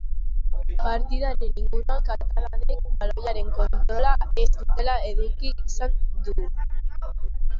Partidaren inguruan katalanek baloiaren kontrola ez dutela eduki esan du.